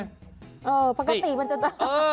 เออปกติมันจะเออ